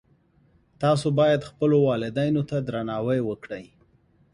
تاسو باید خپلو والدینو ته درناوی وکړئ